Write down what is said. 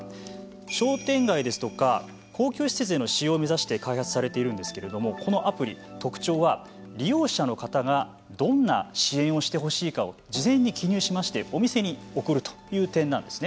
商店街ですとか公共施設での使用を目指して開発されているんですけどもこのアプリ特徴は利用者の方がどんな支援をしてほしいかを事前に記入しましてお店に送るという点なんですね。